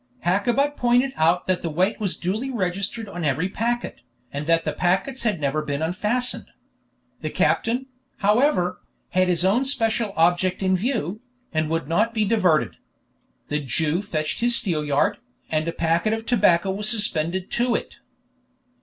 Hakkabut pointed out that the weight was duly registered on every packet, and that the packets had never been unfastened. The captain, however, had his own special object in view, and would not be diverted. The Jew fetched his steelyard, and a packet of the tobacco was suspended to it.